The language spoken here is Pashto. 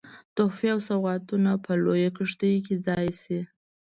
تحفې او سوغاتونه په لویه کښتۍ کې ځای سي.